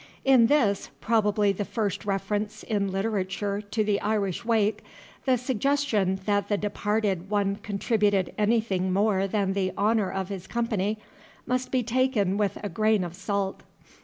In this, probably the first reference in literature to the Irish wake, the suggestion that the departed one contributed anything more than the honor of his company must be taken with a grain of salt.